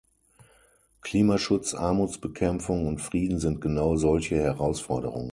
Klimaschutz, Armutsbekämpfung und Frieden sind genau solche Herausforderungen.